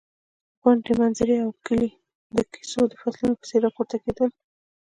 غونډۍ، منظرې او کلي د کیسو د فصلونو په څېر راپورته کېدل.